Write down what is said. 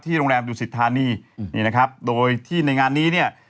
โรงแรมดุสิทธานีนี่นะครับโดยที่ในงานนี้เนี่ย